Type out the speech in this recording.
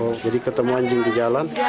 oh jadi ketemu anjing di jalan